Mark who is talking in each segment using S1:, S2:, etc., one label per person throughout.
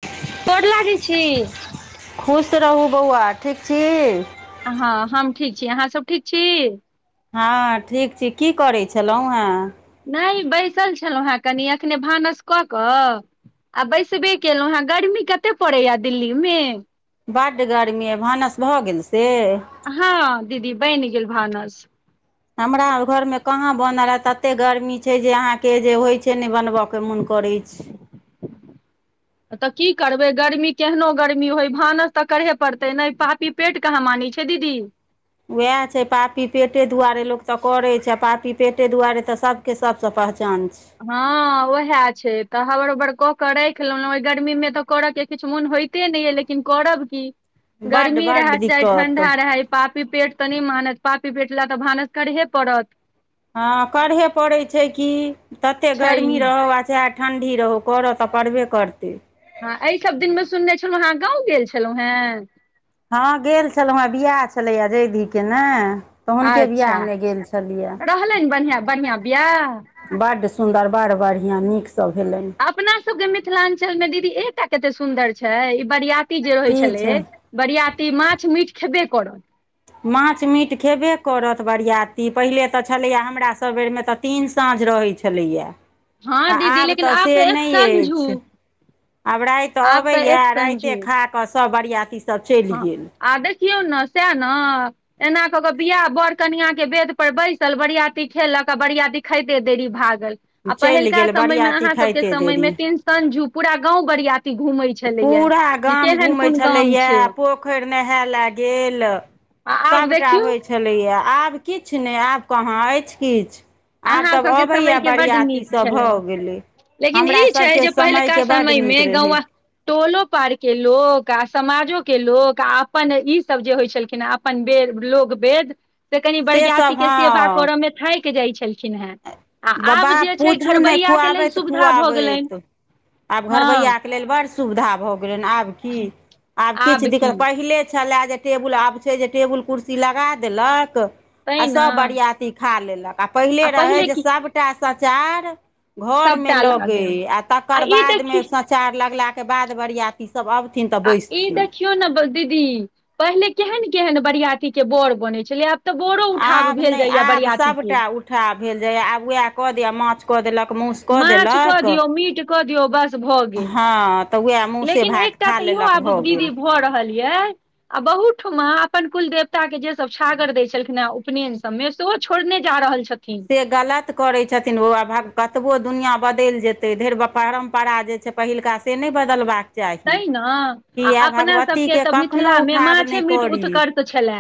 S1: [inaudible]
S2: गोड़ लागै छी।
S1: खुश रहू बौआ, ठीक छी?
S2: हँ हम ठीक छी, अहाँसभ ठीक छी?
S1: हँ ठीक छी, की करै छलहुँ हेँ?
S2: नहि बैसल छलहुँ हेँ कनि एखने भानस कऽ कऽ आ बैसबे केलहुँ हें गर्मी कते पड़ैये दिल्ली मे,
S1: बड्ड गरमी अइ भानस भऽ गेल से,
S2: हँ दीदी बनि गेल भानस।
S1: हमरा अर घर मे कहाँ बनल हे, ततेक गर्मी छै जे अहाँके, जे होइ छै नहि बनबऽ के मोन करै छै।
S2: तऽ की करबै गर्मी केहनो गर्मी होय भानस तऽ करहे पड़तै नहि, पापी- पेट कहाँ मानै छै दीदी।
S1: उएह छै पापी पेटे दुआरे लोक तऽ करै छै, आ पापी पेटे दुआरे त सभ के सब सँ पहचान छै।
S2: हँ उएह छै तऽ हबड़ हबड़ कऽ कऽ राइख लेलहुँ ओहि गर्मी मे तऽ करऽ के किछ मोन होइत ते नहि अइ, लेकिन करब की
S1: बड्ड
S2: गरमी
S1: बड्ड
S2: रहे चाहे
S1: दिक्कत
S2: ठंडा रहय पाप पापी पेट तऽ नहि मानत पापी पेट लए तऽ भानस करहे पड़त।
S1: हँ करहे पड़ैत छै कि, तते
S2: छै
S1: गर्मी रहौ आ चाहे ठंढ़ी रहौ करऽ तऽ पड़बे करतै।
S2: हँ एहि सभ दिन मे सुनने छलहुँ हे अहाँ गाँव गेल छलहुँ हेँ।
S1: हँ गेल छलहुँ हेँ बियाह छलैए जैधी के ने। तऽ हुनके वियाह
S2: अच्छा
S1: मे गेल छलियैए।
S2: रहलनि बढ़िआँ बढ़िआँ बियाह
S1: बड्ड सुन्दर बड़ बढ़िआँ, नीक सँ भेलनि।
S2: अपना सबके मिथिलांचल मे दीदी एकटा कते सुन्दर छै, ई बरियाती जे रहै
S1: की
S2: छलै
S1: छै
S2: बरियाती माछ मीट खेब्बे करत।
S1: माछ मीट खेबे करत बरीयाती पहिले तऽ छलैये हमरा सब बेरमे तऽ तीन साँझ रहै छलैये
S2: हँ
S1: आ
S2: दीदी
S1: आब
S2: लेकिन
S1: तऽ से
S2: एक
S1: नहि ऐछ।
S2: संझू
S1: आब राति
S2: आब तऽ
S1: अबैए
S2: एक संजू
S1: राइतेए खा कऽ सभ बरियाती सभ चलि
S2: हँ
S1: गेल।
S2: आ देखियौ ने सएह ने। एना कऽ कऽ बियाह बर कनिया के वेद पर बैसल बरियाती खेलक आ बरियाती खाइते देरी भागल। आ
S1: चलि
S2: पहिलका
S1: गेल
S2: समय मे
S1: बरियाती
S2: अहाँ सब के
S1: खाइते
S2: समय
S1: देरी
S2: मे टेनसन ज उ पूरा गांव बरियाती घूमै छलैया
S1: पूरा
S2: जे
S1: गाम
S2: केहन
S1: घुमै
S2: कोन गाम
S1: छलैएा
S2: छै
S1: पोख पोखरि नहाय ल गेल
S2: आ आब
S1: सबटा
S2: देखियौ
S1: होइ छ, छलैये आब किछ नहि, आब कहाँ अछि किछ।
S2: अहाँ सबके समयके बड नीक छलै।
S1: भऽ गेलै
S2: लेकिन
S1: हमरा
S2: ई छै
S1: सभके
S2: जे पहिलका
S1: समयके बड्ड नीक
S2: समयमे
S1: रहै
S2: गौवां टोलो पर के लोक आ समाजो के लोक आ अपन ई सब जे होइ छलखिन हे अपन वेद लोक वेद से कनि बरियाती
S1: सेसभ
S2: के सेवा
S1: हँ
S2: करय मे थाकि जाइ छलखिन हेँ। आ
S1: बाबा
S2: आब जे छै
S1: पूछू ने
S2: घरबैया के लेल
S1: खुआबैत
S2: सुविधा भऽ गेलनि
S1: खुआबैत आब
S2: हँ
S1: घरबैया के लेल बड सुविधा भ गेलनि आब की, आब किछ दिक्कत पहिले छले जे टेबुल आब छै जे टेबुल कुर्सी लगा देलक, आ
S2: तैं ने
S1: सभ बरियाती खा लेलक आ पहिले रहै जे सभटा सचार, घर मे
S2: सभटा
S1: लगै
S2: लागनि
S1: आ
S2: आ
S1: तकर
S2: ई
S1: बाद
S2: देखि
S1: मे सब सचार लगला के बाद बरियाती सब अबथिन तऽ बैसथिन।
S2: केयो ने दीदी पहिले केहन केहन बरियाती के बड़ बनै छलै आब तऽ बड़ो उठाब भेल जाइये बरियाती के।
S1: उठाब भेल जाइए, आब वएह कऽ दैये माछ कऽ देलक मासु कऽ
S2: माछ कऽ
S1: देलक
S2: दियौ मीट कऽ दियौ बस। भ गेल
S1: हँ तऽ उएह मासुए
S2: लेकिन
S1: भात
S2: एकटा
S1: खा
S2: तऽ इहो
S1: लेलक
S2: आब
S1: भऽ गेल
S2: दीदी भऽ रहल यऽ- आ बहुतठम अपन कुल देवता के जे सब छागर दै छलखिन हे उपनेयन। मे सेहो छोड़ने जा रहल छथिन।
S1: से गलत करै छथिन ओ भ कतबो दुनिआँ बदलि जेतै ढेर परम्परा जे छै। पहिलका से नहि बदलबाक- चाही।
S2: तै ने आ
S1: किए
S2: अपना सबके
S1: भगवतीके
S2: तऽ
S1: कखनहु
S2: मिथिलामे
S1: उठाव
S2: माछे
S1: नहि
S2: मीट
S1: करी।
S2: उत्कर्ष छलए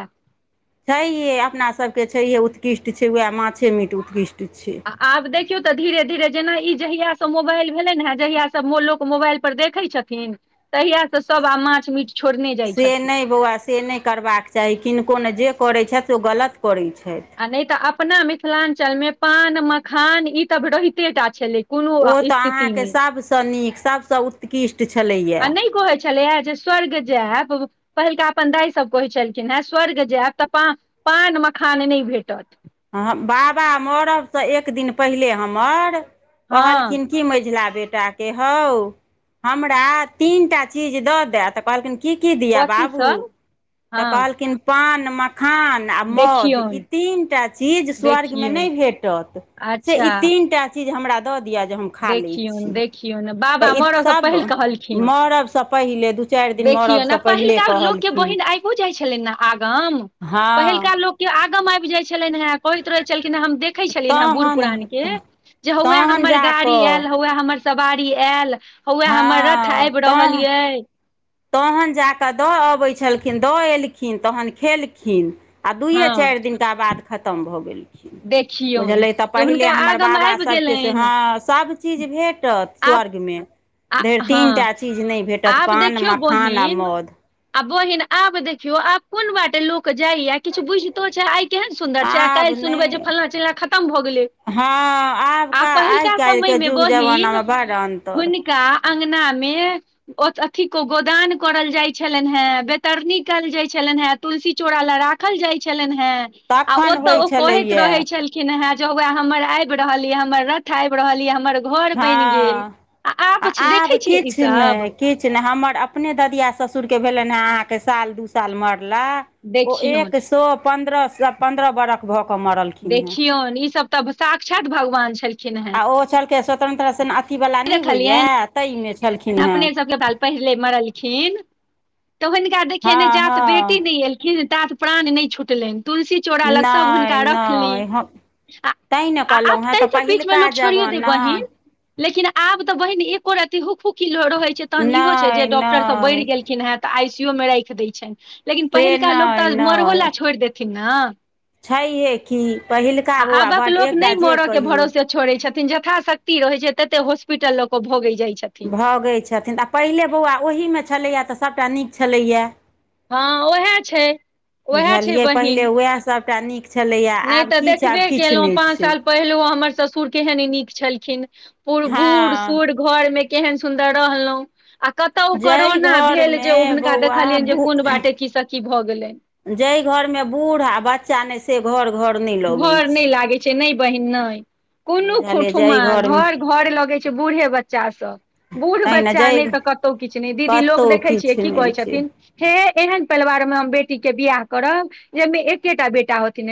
S1: छैहे अपना सभके छैहे उत्कृष्ट छै उएह माछे मीट उत्कृष्ट छै।
S2: आ आब देखियौ तऽ धीरे धीरे जेना ई जहिया से मोबाइल भेलेन ह जहिया स मो लोक मोबाइल। पर देखै छथिन तहिय सब आब माछ मीट- छोड़ने जाइ
S1: से
S2: छथिन
S1: नहि बौआ से नहि करबाक चाही किनको ने जे करैत छथि ओ गलत करैत छैथ।
S2: आ नहि तऽ अपना मिथिलांचल मे पान मखान ई तब रहिते टा छलै। कोनो
S1: ओ तऽ अहाँके
S2: स्थितिमे
S1: सभसँ नीक सभसँ उत्कृष्ट छलैएा।
S2: आ नहि कोहे छय। छले हे जे स्वर्ग जेआयब पहिलका अपन दाइ सब कहै छलखिन हे स्वर्ग जेआयब तऽ पां- पान मखान नहि भेटत।
S1: ह बाबा मरबसँ एक दिन पहिले हमर
S2: हँ
S1: कहलखिन। क मैझला बेटा के हौ हमरा तीनटा चीज दऽ द तऽ कहलखिन की? की की दिया
S2: कथी
S1: बाबू
S2: सब
S1: तऽ
S2: हँ
S1: कहलखिन पान मखान। आ मोध ई
S2: देखियौन
S1: तीनटा चीज स्वर्ग मे
S2: देखियौन
S1: नहि भेटत से ई
S2: अच्छा
S1: तीनटा। इ हमरा दऽ दिअ जे हम- खा लय
S2: देखियौन
S1: छी,
S2: देखियौन
S1: त
S2: बाबा
S1: इ
S2: मरसँ
S1: सब
S2: पहिल कहलखिन
S1: -मर स पहिने दु- चारि दिन मरब से पहिले कहलखिन।
S2: बुइझ जाय छलनि ने आगम
S1: हँ
S2: पहिलुका लोकके आगम आबि जाइ छलनिहें [unintelligible] होइत रहैत छलखिन हम देखे छलियैनेहें बूढ़
S1: तहन
S2: पुरान के, जे हौएह
S1: तहन
S2: हमर-
S1: जा कऽ
S2: हौए हमर सवारी आयल हौए हमर रथ आबि रहल येए।
S1: तखन जा कऽ दऽ अबै छलखिन दऽ एयलखिन तखन खेलखिन। आ दुइए
S2: हँ
S1: चारि दिनका बाद खतम भऽ गेलखिन।
S2: देखियौन
S1: बुझलै तऽ
S2: कि
S1: पहिले
S2: हुनका
S1: हमर
S2: आगम
S1: बाबा
S2: आबि
S1: सभके से
S2: गेलनि
S1: हँ सभ- चिज भेटत
S2: आब
S1: स्वर्ग मे
S2: आ
S1: धइर तीनटा चीज नहि भेटत पान, मखान- आ
S2: बोहीन-
S1: मौध
S2: आ बहिन आब देखियो आब कोन बाटे लोक जाइया किछ बुझतो छै आइ केहन- सुन्दर छै
S1: आब
S2: काइल सुनबै जे
S1: नहि
S2: फलना चिल्लना खतम भऽ गेलै।
S1: हँ
S2: आ
S1: आबका आइ
S2: पहिलुका समय
S1: काइलके जुग जबानामे बड़ अन्तर।
S2: का अंगनामे- ओ तऽ अथि क क-गोदान करल जाइत छलनै हॅं वैतरणी कयल जाइत छलनहॅं। तुलसी चोरा लए राखल जाइल छलनहॅं आ
S1: तखन
S2: ओतऽ
S1: होइ
S2: ओ कहैत
S1: छलैए
S2: रहै छल- खीन ह जउह हमर आबि रहल ये हमर रथ आबि रहल ये हमर घर बैन- गेल
S1: हँ
S2: आ आब देखे छिये ई सब-
S1: किछ नहि हमर अपने ददिआ ससुरके भेलन हँ अहाँके साल दू साल मरला- ओ
S2: देखियौन
S1: एक सए पन्द्रह -पन्द्रह स-बरख भऽ कऽ मरलखिन हॅं।
S2: कियोन ई सब- तब साक्षात भगवान छलखिनहें।
S1: ओ छलकै स्वतंत्रता से -अथी वाला नहि होइया
S2: देखलियनि
S1: ताहि मे छलखिन। हेँ
S2: अपने सबके बाल पहिले मरलखिन। तऽ हिनका देखियन
S1: हँ
S2: जा त बेटी
S1: हँ
S2: नहि एलखिन तात प्राण नहि छुटलैन तुलसी चोरा लग सब
S1: नै
S2: हुनका रखली
S1: नै हम
S2: आ
S1: तै ने कहलु
S2: आब
S1: हेँ
S2: ताहि
S1: तऽ
S2: सब बीच मे
S1: पहिलका
S2: लोक छोड़ियो दे
S1: जबाना
S2: बहिन लेकिन आब तऽ बहिन एको रत्ती हुक हुकी जॅं रहै छै तहन इहो छय जे
S1: नहि
S2: डाक्टर सभ
S1: नहि
S2: बढ़ि गेलखिन हॅं तऽ आई सी यू मे राखि दै छैनि। लेकिन
S1: से
S2: पहिलका लोक
S1: नहि
S2: तऽ मरहो
S1: नहि
S2: लए छोड़ देथिन ना
S1: छैहे कि पहिलका बौआ
S2: आबक
S1: बड़
S2: लोक
S1: एकटा
S2: नहि
S1: जे
S2: मरऽ के
S1: कहियौ
S2: भरोसे छोड़ै छथिन यथाशक्ति रहैत छै तते हॉस्पिटल लऽ कऽ भगै जाइ छथिन।
S1: भगै छथिन आ पहिले बौआ ओहीमे छलैए त सभटा नीक छलैए।
S2: हँ ओएह छय ओएह छय
S1: बुझलियै पहिले
S2: बहिन।
S1: उएह सभटा नीक छलैया आब किछ आब किछ नहि छय।
S2: पहिलू हमर ससुर केहन नीक छलखिन पुर बुढ
S1: हँ
S2: सुढ घर में केहन सुंदर रहलों। आ कतहु
S1: जाहि
S2: करोना भेल जे
S1: घरमे
S2: ओ हुनका
S1: बौआ
S2: देखलियैन जे कोन बाटे कि स कि भऽ गेलनि।
S1: जै घरमे बूढ़ आ बच्चा नहि से घर घर नहि लगै
S2: घर नहि
S1: छय।
S2: लागै नहि बहिन नहि कोनो
S1: बुझलियै
S2: खुठुमा
S1: जाहि घरमे
S2: घर घर लगे छै बूढ़े बच्चा स। बूढ़
S1: तहिना
S2: बच्चा
S1: जाहि
S2: नहि तऽ कतहु किछ नहि दीदी लोक
S1: कतहु
S2: देखै छियै की
S1: किछु नहि
S2: कहै
S1: छै
S2: छथिन हे एहन परिवार में हम बेटीके बियाह करब जहिमे एकेटा बेटा होथिन।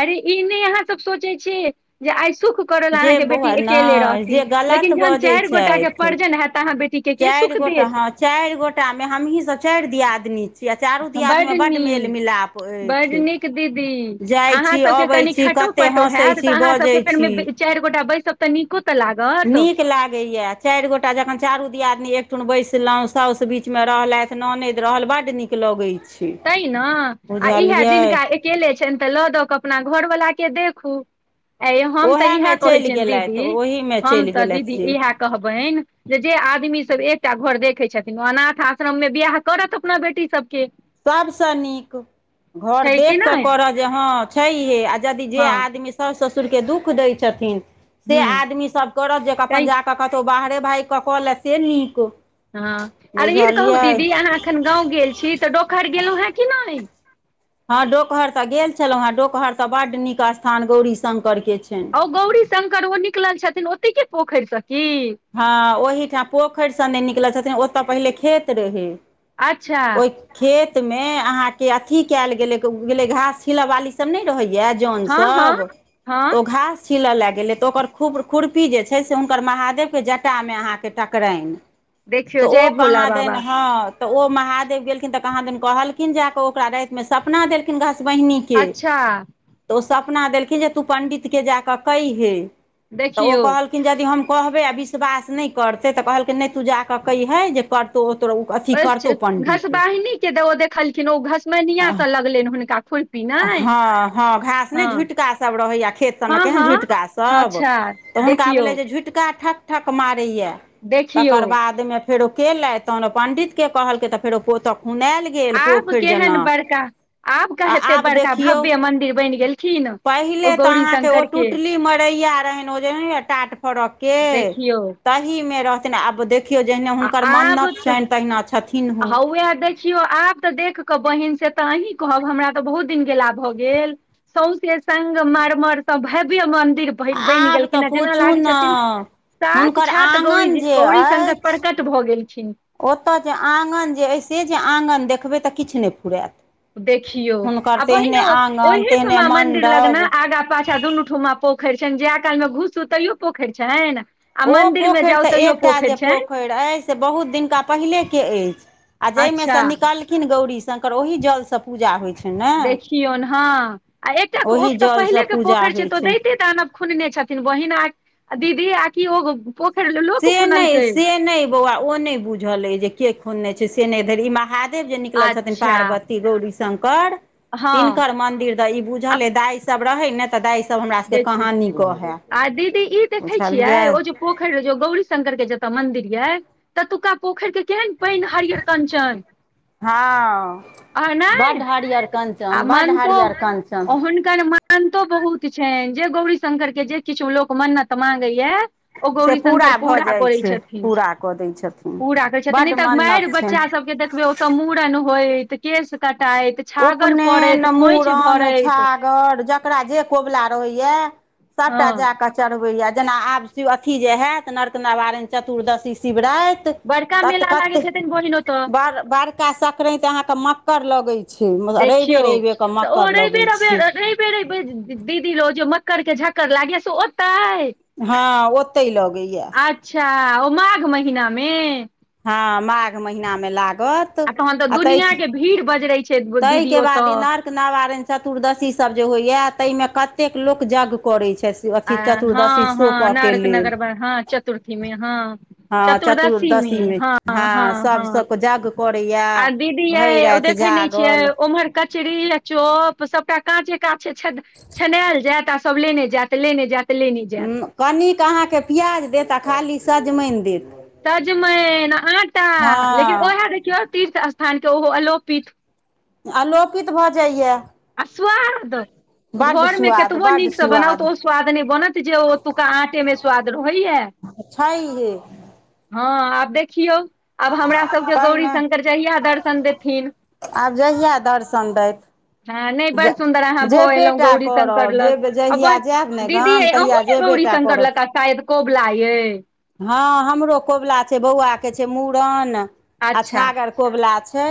S2: अरे ई नहि अहाँ सब सोचे छियै जे आइ सुख करल
S1: जे
S2: अहाँके
S1: बौआ
S2: बेटी अकेले
S1: नहि
S2: रहती
S1: जे गलत
S2: लेकिन जहन
S1: बजै
S2: चार गोटा के
S1: छथि
S2: परजन हैय तऽ अहाँ बेटी के के सुख देत।
S1: चारिगो टा मे हमही सब चारि दियादनी छी चारू दियादनी मे
S2: बड
S1: बड़ मेल
S2: नीक
S1: मिलाप
S2: बड
S1: अछि
S2: नीक दीदी
S1: जाइ
S2: अहाँ
S1: छी
S2: सबके
S1: अबै
S2: कनि
S1: छी क
S2: खटो
S1: कते
S2: पटो
S1: हँसै
S2: हैत तऽ
S1: छी
S2: अहाँ सबके
S1: बजै छी।
S2: फेर चारि गोटा बैसब त नीको तऽ लाग
S1: नीक लागैए। चारि गोटा जखन चारु दियादनी एकठन बैसलौ साउस बीचमे रहलैथ ननद रहल बड्ड नीक क लगैछ।
S2: तैंक्षने आ इहे जिनका अकेले छैन तऽ लऽ दऽ कऽ अपना घरवला के देखू। ऐं मैं हम तऽ इहे
S1: ओएहमे
S2: कहै
S1: चलि
S2: छियन
S1: गेलथि
S2: दीदी
S1: ओहीमे
S2: हम
S1: चलि
S2: तऽ दीदी
S1: गेलथि जे
S2: इएह कहबेन जे जे आदमीसभ एकटा घर देखै छथिन ओ अनाथ आश्रम में बियाह करथि अपना बेटी सभके।
S1: सबसँ नीक घर
S2: छै कि
S1: देख क
S2: नहि
S1: कर जे हँ छय हे आ यदि जे
S2: हँ
S1: आदमी साउस ससुर के दुःख दै छथिन से
S2: हूँ
S1: आदमी सब करत जे अपन
S2: कहि
S1: जाकऽ कतहु बाहरे भैग क कऽ लए से निक
S2: हँ आओर ईर कहू दीदी अहाँ एखन गाॅंव गेल छी तऽ डोकहर गेलहुँ हेँ कि नहि?
S1: हँ डोकहर तऽ गेल छलौं हें डोकहर तऽ बड निक स्थान गौरी शंकर के छैन
S2: ओ गौरी शंकर ओ निकलल छथिन ओतेके पोखरिसँ की?
S1: हँ ओहिठाम पोखरसँ नहि निकलल छथिन ओतय पहिले खेत रहै
S2: अच्छा
S1: खेत मे अहां के अथी कयल गेले गेले घास छिलऽ वाली सब नहि रहैया जोन
S2: हँ हँ
S1: सब
S2: हँ
S1: ओ घास छिलऽ लए गेलै तऽ ओकर खु खुरपी जे छै से हुनकर महादेव के जटामें अहाँ के टकराइन
S2: देखियौ
S1: तऽ
S2: जय
S1: ओ
S2: भोला
S1: कहाँदैन
S2: बाबा
S1: हँ तऽ ओ महादेव गेलखिन तऽ कहाँ दिन कहलखिन जाकऽ ओकरा रातिमे सपना देलखिन घसबहिनी के
S2: अच्छा।
S1: तऽ ओ सपना देलखिन्ह जे तू पण्डितकेँ जा कऽ कयहें तऽ ओ
S2: देखियौ
S1: कहल खिन यदि हम कहबै आ विश्वास नै करतै तऽ कहलकै नै तू जाकऽ कयहें जे कर
S2: ओय से घसबहनी के द ओ देखलखिन्ह ओ घसबहनिया के लगलैन हुनका खुर
S1: हां-हां घास नै झुटकासभ रहै यै, खेत सबमें
S2: हँ
S1: केहन
S2: हँ
S1: झुटकासब
S2: अच्छा
S1: तऽ हुनका
S2: देखियौ
S1: भेलै जे झुटका ठक-ठक मारै यै
S2: देखियौ
S1: तकर बादमे फेरो केलेथ तहन ओ पण्डितकेँ कहलकै तऽ फेरो ओता खुनायल गेल
S2: आब
S1: पोखर
S2: केहन
S1: जेना।
S2: बड़का आब के
S1: आ
S2: हेते
S1: आब
S2: बड़का
S1: देखियौ,
S2: भव्य मंदिर बनि गेलखिन ओ
S1: पहिले तऽ
S2: गौरी
S1: अहाँके ओ
S2: शंकर के
S1: टुटली मरैया रहेन ओजे नै यै टाट फरक के
S2: देखियौ
S1: तह ओहिमे रहथिन आब देखियो जहनै हुनकर मन्नत छैन तहिना छै।
S2: हउवे देख खियो आब तऽ देख कऽ बहिन से तऽ अहीँ कहब हमरा तऽ बहुत दिन गेला भऽ गेल सउसे संगमरमर से भव्य मन्दिर बहिन बैन
S1: आब
S2: गेलखिन
S1: तऽ
S2: हें जेना
S1: पूछू
S2: लागै
S1: ने
S2: छथिन
S1: हुनकर
S2: साक्षात
S1: आँगन
S2: गौरीजी
S1: जे
S2: गौरीशंकर
S1: अछि
S2: प्रकट भऽ गेलखिन।
S1: ओतय के आंगन जे ए से जे आंगन देखबै तऽ किछ नै फुरायत।
S2: देखियौ
S1: हुनकर
S2: आ बहिन
S1: तेहने आँगन तेहने
S2: ओहिठमा मन्दिर लग
S1: मण्डप
S2: ना आगा पाछाँ दुनू ठुमा पोखर छैन जा कालमे घुसू तैयो पोखर छैन
S1: ओ पोखर ते एकटा जे पोखर जे ऐछ से बहुत दिनका पहिले के ए आ जेमे से
S2: अच्छा
S1: निकालखिन्ह गौरी शंकर ओहि जल से
S2: देखियौन हां आ एकटा के ओ
S1: ओहि
S2: तऽ
S1: जलसँ
S2: पहिले के
S1: पूजा
S2: पोखर छै
S1: होइ
S2: तऽ दैंते दानव खुन्ने छथिन बहिन आ दीदी आ कि ओ पोखर लोक
S1: से नहि
S2: खुनलकैन?
S1: से नहि बौआ ओ नै बुझल ए जे के खुन्ने छै से नै धैर इ महा देव जे निकलल छथिन
S2: अच्छा
S1: पार्वती गौरी शंकर
S2: हँ
S1: तिनकर मन्दिर तऽ ई
S2: आ
S1: बुझल यै दाइ सब रहे नै तऽ दाइ स
S2: देखियौ आ दीदी ई देखै छियै
S1: बुझलियै
S2: ओ जे पोखर जे गौरी शंकर के जतऽ मंदिर यै ततौका पोखर के केहेन पैन हरियर कञ्चन
S1: हां बड
S2: नहि
S1: हरियर कंचन, बड्ड हरियर कंचन
S2: हिनकर मान्यतो बहुत छैन जे गौरी शंकर के जे किछु लोक मन्नत मांगे यै ओ
S1: से
S2: गौरी शंकर
S1: भऽ
S2: पूरा
S1: जाइ
S2: करै
S1: छै
S2: छथिन,
S1: पूरा कऽ दै छथिन
S2: पूरा करै छथिन नै
S1: बड्ड
S2: तऽ माएर
S1: मन्नत
S2: बच्चा
S1: छनि
S2: सब जे देखबै ओतऽ मूड़न होइत केश कटाइत छागर पड़ैत
S1: उपनैन,
S2: खोइछ
S1: मूड़न
S2: भरैत
S1: छा गर जकरा जे कोबला रहै यै
S2: हँ
S1: सबटा जाके चढ़बय यै जेना आब शिव अथी जे हेत नर्क नवारण चतुर्दशी शिवराएत त
S2: बड़का
S1: तत
S2: मेला लागैत हेतनि बहिन ओतऽ
S1: कत बड़ बड़का सक्रेत अहाँ के मक्कड़ लगै छै मतलब
S2: देखियौ
S1: रैबे-रैबे के मक्कड़ लगै छै।
S2: रैबे रैबे जे दीदी रोजे मक्कड़ के झक्कड़ लागैय से ओतय
S1: हां ओतय लगैया।
S2: अच्छा ओ माघ महीनामे?
S1: हां माघ महिनामे लागत।
S2: आ तहन तऽ दुनिया के भीड़ बजरै छै दीदी
S1: ताहिके बाद
S2: ओतऽ।
S1: ई नर्क नवारण चतुर्दशी सब जे होइया तैमे कतेक लोक यज्ञ करै छैथ।
S2: आ हां-हां नर्क नगर मे हां चतुर्थीमे हां।
S1: हँ
S2: चतुर्दशी मे
S1: चतुर्दशीमे
S2: हां,
S1: हँ
S2: हां, हां
S1: सभसँ यज्ञ करैए
S2: आ दीदी यै
S1: भरि
S2: ओ
S1: राति
S2: देखै नै छिय
S1: जागल
S2: ओम्हर कचरी आ चॉप सबटा काँचे काँच छत छनायल जायत आ सभ लेने जायत। लेने जात लेने जात।
S1: कनिक अहाँके प्याज देता आ खाली सजमनि देत।
S2: सजमेन आटा लेकिन
S1: हँ
S2: ओएह देखियौ तीर्थ स्थान के ओहो अलोपित।
S1: अलोपित भऽ जाइए।
S2: आ स्वार द।
S1: बड्ड
S2: घर मे
S1: सुआद
S2: कतबो
S1: बड्ड
S2: नीकसँ बनाउ त
S1: सुआद
S2: ओ स्वाद नहि बनत जे ओतुका आँटे मे स्वाद रहैया।
S1: छैेये।
S2: हँ आब देखियौ आब हमरा सभके गौरी
S1: तहिना
S2: शंकर जहिया दर्शन देथिन।
S1: आब जहिया दर्शन दैत।
S2: हँ नहि बड़
S1: ज
S2: सुन्दर अहाँ
S1: जे
S2: भऽ एलहुँ
S1: बेटा
S2: गौरी शंकर
S1: करब जे
S2: लग आ
S1: जहिया जायब ने गाम तहिय जे बेटा
S2: करलक आ शायद कबुला ये
S1: हँ हमरो कबुला छै बौआके छै मूड़न आ
S2: अच्छा
S1: छागर कबुला छै।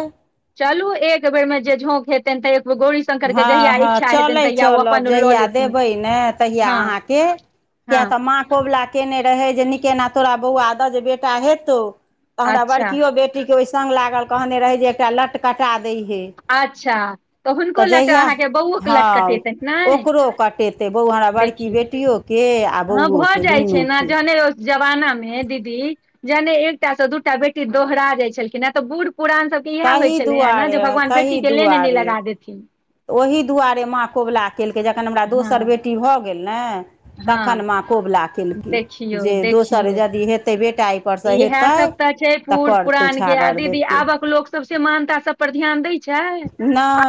S2: चलू एक बेर मे जे झोक हेतै तऽ एक बे गोड़ी
S1: हँ- हँ चलै चलब
S2: लऽ
S1: जहियआ
S2: लेथिन
S1: देबै ने तहियआ
S2: हँ
S1: अहाँके क
S2: हँ
S1: तऽमा कबुला केने रहे जे के न केना तोरा बौआ हेतौ तऽ हमरा
S2: अच्छा
S1: बड़कियो बे टी के ओहि सङ्ग लागल कहने रहै जे एकटा लट कटा दै हे।
S2: अच्छा हुनको
S1: तऽ
S2: लट
S1: जहिया
S2: अहाँके बौओ के
S1: हँ
S2: लटकटेतनि नहि
S1: ओकरो कटेते बौआ बड़की
S2: देखियौ
S1: बेटियो के
S2: हँ भऽ जाइ छै ने जहने ओ जमानामे दीदी जने एकटा से दू टा बेटी दोहरा जाइत छलखिन हेँ तऽ बूढ़ पुरान सब इएह होइ
S1: ताहि
S2: छलै हे ने
S1: दुआरे
S2: जे भगवान बेटी
S1: ताहि
S2: के लेने नहि
S1: दुआरे
S2: लगा देथिन।
S1: तऽ ओही दुआरे माँ कबुला केलकै जखन हमरा दोसर
S2: हँ
S1: बेटी भऽ गेल ने
S2: हँ
S1: तखन माँ कबुला केलकै
S2: देखियौ
S1: जे दोसर
S2: देखियौ
S1: यदि हेतै बेटा एहिपरसँ
S2: इएह
S1: हेतै
S2: सब तऽ छै बूढ़
S1: करतै
S2: पुरान के आ
S1: छागर
S2: दीदी
S1: देतै
S2: आबक लोक सब से मानता सब पर ध्यान दै छै?
S1: न